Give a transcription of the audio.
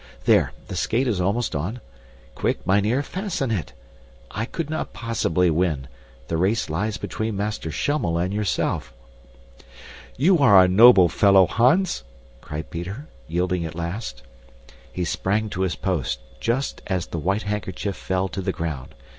There, the skate is almost on. Quick, mynheer, fasten it. I could not possibly win. The race lies between Master Schummel and yourself." "You are a noble fellow, Hans!" cried Peter, yielding at last. He sprang to his post just as the white handkerchief fell to the ground.